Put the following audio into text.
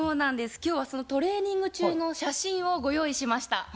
今日はそのトレーニング中の写真をご用意しました。